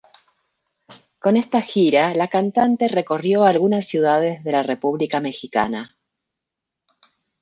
Con esta gira la cantante recorrió algunas ciudades de la República Mexicana.